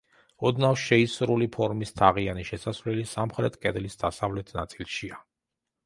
ოდნავ შეისრული ფორმის თაღიანი შესასვლელი სამხრეთ კედლის დასავლეთ ნაწილშია.